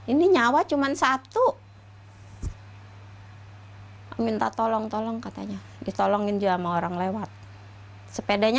ini nyawa cuman satu minta tolong tolong katanya ditolongin sama orang lewat sepedanya